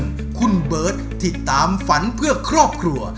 คุณเบิร์ตที่ตามฝันเพื่อครอบครัว